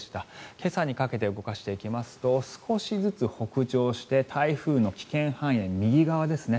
今朝にかけて動かしていきますと少しずつ北上して台風の危険半円、右側ですね。